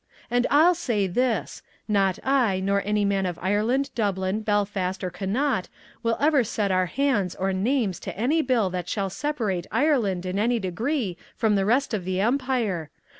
"And I'll say this: Not I, nor any man of Ireland, Dublin, Belfast, or Connaught will ever set our hands or names to any bill that shall separate Ireland in any degree from the rest of the Empire.